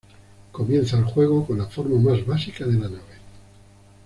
Comienza el juego con la forma más básica de la nave.